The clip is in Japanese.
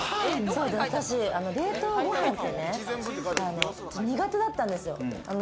私、冷凍ご飯って苦手だったんですよ。